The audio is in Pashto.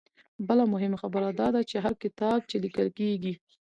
بله مهمه خبره دا ده چې هر کتاب چې ليکل کيږي